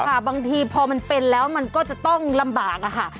บางทีพอมันเป็นแล้วมันก็จะต้องลำบากอะค่ะ